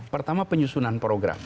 pertama penyusunan program